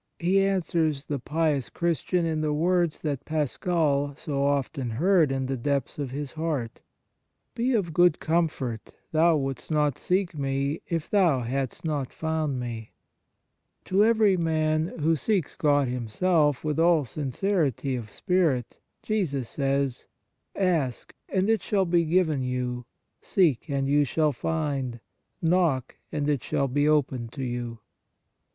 He answers the pious Christian in the^words that Pascal so often heard in tne depths of his heart :" Be of good comfort ; thou wouldst not seek Me, if thou hadst not found Me !" To every man who seeks God Him self with all sincerity of spirit, Jesus says :" Ask, \ and it shall be given you : seek, and you shall find : knock, and it shall be opened to you."